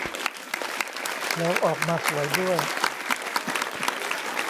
แล้วออกมาสวยด้วย